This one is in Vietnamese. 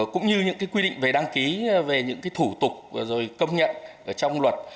cũng như những quy định về đăng ký về những cái thủ tục rồi công nhận trong luật